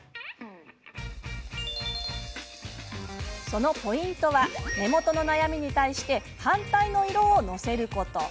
そのポイントは目元の悩みに対して反対の色をのせること。